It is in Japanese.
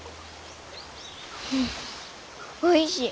おいしい。